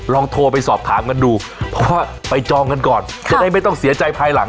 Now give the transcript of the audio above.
ลองโทรไปสอบถามกันดูเพราะว่าไปจองกันก่อนจะได้ไม่ต้องเสียใจภายหลัง